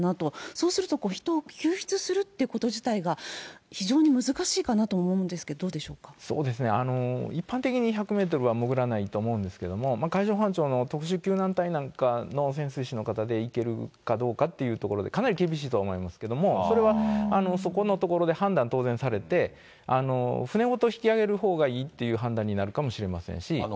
そうすると、人を救出するってこと自体が、非常に難しいかなと思そうですね、一般的に１００メートルは潜らないと思うんですけども、海上保安庁の特殊救難隊なんかの潜水士の方で、行けるかどうかっていうところで、かなり厳しいとは思いますけれども、それはそこのところで判断、当然されて、船ごと引き上げるほうがいいっていう判断になるかもしれませんし。